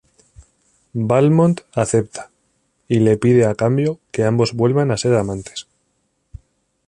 Valmont acepta y le pide a cambio que ambos vuelvan a ser amantes.